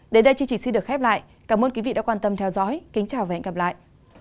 đến đây chương trình xin được khép lại cảm ơn quý vị đã quan tâm theo dõi kính chào và hẹn gặp lại